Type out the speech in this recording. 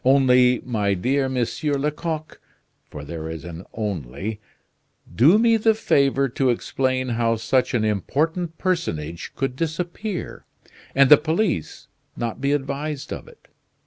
Only, my dear Monsieur Lecoq (for there is an only), do me the favor to explain how such an important personage could disappear, and the police not be advised of it?